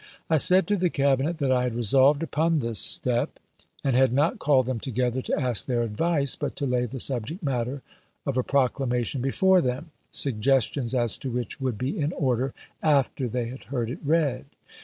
I said to the Cabinet that I had resolved upon this step, and had not called them together to ask their advice, but to lay the subject matter of a proclamation before them, suggestions as to which would be in order after they had heard it read.